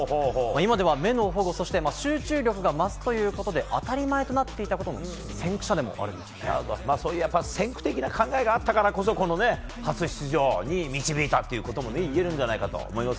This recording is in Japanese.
今では目の保護、そして集中力が増すということで当たり前となっていることの先駆的な考えがあったからこの初出場に導いたということもいえるんじゃないかと思います。